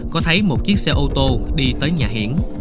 có thấy một chiếc xe ô tô đi tới nhà hiển